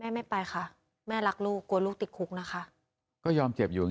ไม่ไปค่ะแม่รักลูกกลัวลูกติดคุกนะคะก็ยอมเจ็บอยู่